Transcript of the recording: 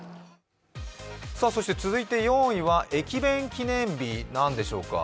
続いて４位は駅弁記念日何でしょうか？